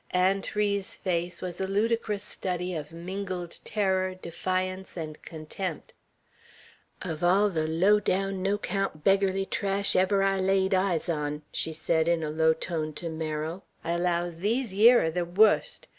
Aunt Ri's face was a ludicrous study of mingled terror, defiance, and contempt. "Uv all ther low down, no 'count, beggarly trash ever I laid eyes on," she said in a low tone to Merrill, "I allow these yere air the wust!